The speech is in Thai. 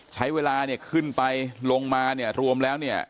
ใช้เวลาเนี่ยขึ้นไปลงมาเนี่ยรวมแล้วเนี่ย